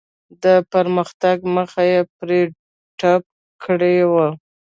د پرمختګ مخه یې پرې ډپ کړې وه.